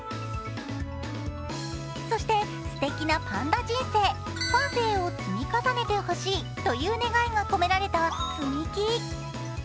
そしてすてきなパンダ人生、パン生を積み重ねてほしいという願いが込められた積み木。